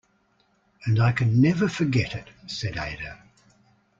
"And I can never forget it," said Ada.